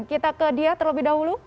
kita ke dia terlebih dahulu